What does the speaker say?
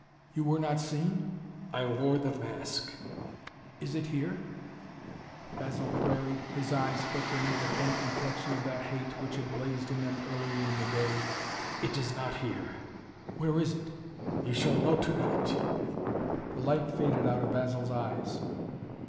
"You were not seen?" "I wore the mask." "Is it here?" Basil queried, his eyes flickering with a faint reflection of that hate which had blazed in them earlier in the day. "It is not here." "Where is it?" "You shall know to night!" The light faded out of Basil's eyes.